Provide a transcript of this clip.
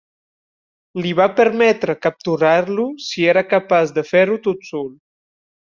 Li va permetre capturar-lo si era capaç de fer-ho tot sol.